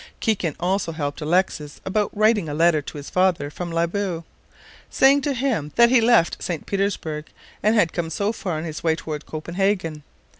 Kikin also helped Alexis about writing a letter to his father from Libau, saying to him that he left St. Petersburg, and had come so far on his way toward Copenhagen.